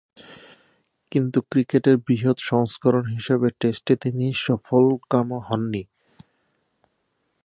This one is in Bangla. কিন্তু ক্রিকেটের বৃহৎ সংস্করণ হিসেবে টেস্টে তিনি সফলকাম হননি।